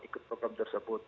ikut program tersebut